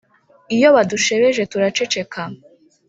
iyo badushebeje turaceceka